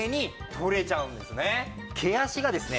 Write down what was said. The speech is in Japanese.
毛足がですね